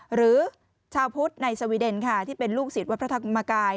หรือชาวพุทธในสวีเดนค่ะที่เป็นลูกศิษย์วัดพระธรรมกาย